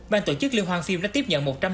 ban tổ chức liên hoan phim đã tiếp nhận